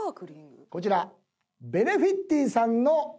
こちら。